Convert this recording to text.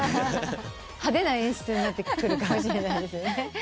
派手な演出になってくるかもしれないですね。